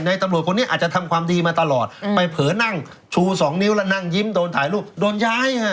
ตำรวจคนนี้อาจจะทำความดีมาตลอดไปเผลอนั่งชูสองนิ้วแล้วนั่งยิ้มโดนถ่ายรูปโดนย้ายฮะ